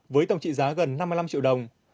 với tổng trị giá gần năm mươi năm triệu đồng